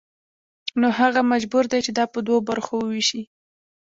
نو هغه مجبور دی چې دا په دوو برخو ووېشي